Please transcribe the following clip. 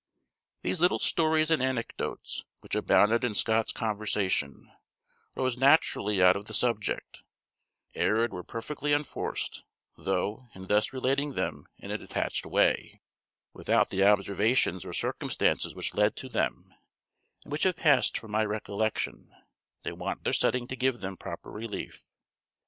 These little stories and anecdotes, which abounded in Scott's conversation, rose naturally out of the subject, arid were perfectly unforced; though, in thus relating them in a detached way, without the observations or circumstances which led to them, and which have passed from my recollection, they want their setting to give them proper relief.